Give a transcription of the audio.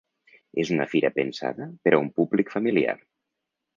És una fira pensada per a un públic familiar.